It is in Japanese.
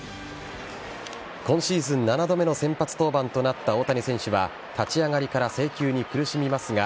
今シーズン７度目の先発登板となった大谷選手は立ち上がりから制球に苦しみますが